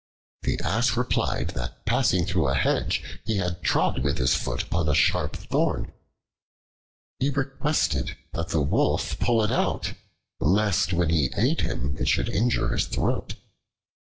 The Ass replied that passing through a hedge he had trod with his foot upon a sharp thorn. He requested that the Wolf pull it out, lest when he ate him it should injure his throat.